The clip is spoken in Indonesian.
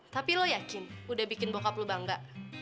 tapi lo yakin udah bikin bokap lu bangga